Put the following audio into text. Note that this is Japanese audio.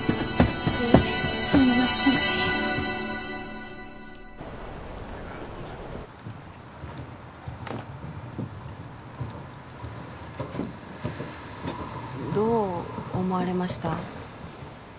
すみませんすみませんどう思われました？